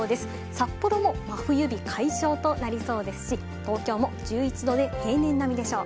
札幌も真冬日解消となりそうですし、東京も１１度で平年並みでしょう。